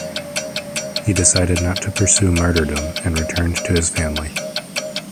He decided not to pursue martyrdom and returned to his family.